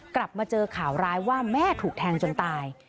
กลับมาเจอข่าวร้ายว่าแม่ถูกแทงจนตาย